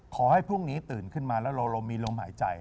ขอให้พรุ่งนี้ตื่นขึ้นมาแล้วเรามีลมหายใจ